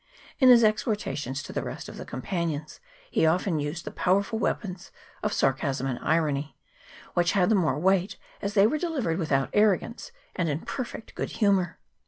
In his exhortations to the rest of our companions he often used the powerful weapons of sarcasm and irony, which had the more weight as they were delivered without arrogance and in per fect good humour.